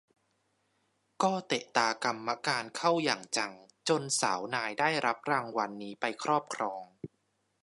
ก็เตะตากรรมการเข้าอย่างจังจนสาวนายได้รับรางวัลนี้ไปครอบครอง